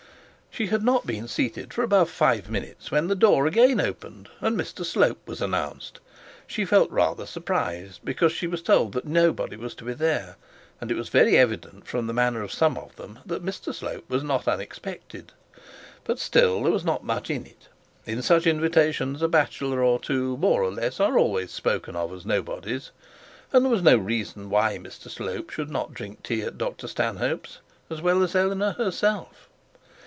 She had not been seated for above five minutes when the door again opened, and Mr Slope was announced. She felt rather surprised, because she was told that nobody was to be there, and it was very evident from the manner of some of them that Mr Slope was unexpected. But still there was not much in it. In such invitations a bachelor or two more or less are always spoken of as nobodies, and there was no reason why Mr Slope should not drink tea at Dr Stanhope's as well as Eleanor herself.